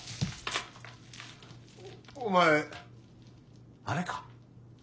お前あれか。